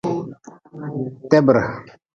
Tebre.